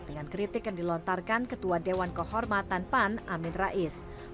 dengan kritik yang dilontarkan ketua dewan kehormatan pan amin rais